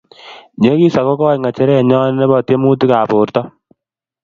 nyegis aku goii ng'echere nyo nebo tyemutikab borto